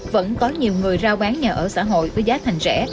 vẫn có nhiều người rao bán nhà ở xã hội với giá thành rẻ